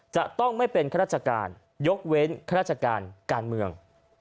จะต้องไม่เป็นข้าราชการยกเว้นข้าราชการการเมือง